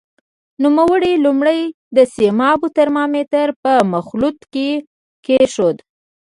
نوموړی لومړی د سیمابو ترمامتر په مخلوط کې کېښود.